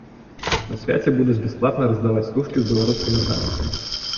На свяце будуць бясплатна раздаваць стужкі з беларускім арнаментам.